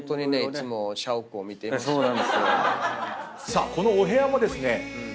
さあこのお部屋もですね